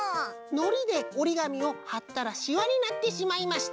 「のりでおりがみをはったらしわになってしまいました。